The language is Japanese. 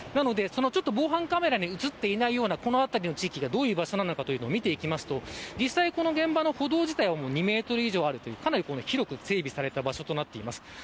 防犯カメラに映っていないようなこの辺りの地域がどういう場所なのかというのを見ていきますと実際この現場の歩道自体は２メートル以上あるかなり広く整備された場所となっています。